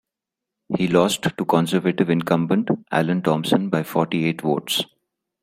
He lost to Conservative incumbent Allen Thompson by forty-eight votes.